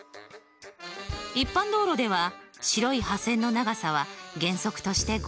一般道路では白い破線の長さは原則として５ｍ。